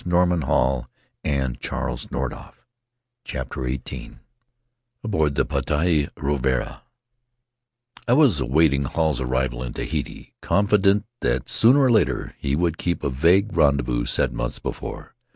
Conclusion CHAPTER XVIDP Aboard the Potii Ravarava WAS awaiting Hall's arrival in Tahiti, confident that sooner or later he would keep a vague rendezvous set months before.